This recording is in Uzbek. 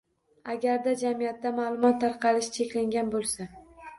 Agarda jamiyatda maʼlumot tarqalishi cheklangan bo‘lsa